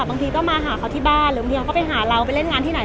บางทีก็มาหาเขาที่บ้านหรือบางทีเขาก็ไปหาเราไปเล่นงานที่ไหน